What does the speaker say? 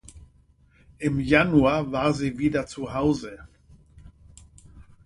Im Januar war sie wieder zu Hause.